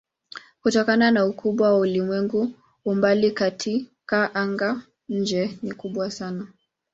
Kutokana na ukubwa wa ulimwengu umbali katika anga-nje ni kubwa sana.